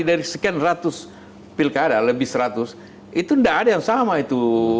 dari sekian ratus pilkada lebih seratus itu tidak ada yang sama itu